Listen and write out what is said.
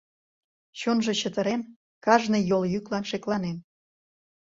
Чонжо чытырен, кажне йол йӱклан шекланен.